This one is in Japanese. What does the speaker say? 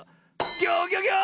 ギョギョギョ！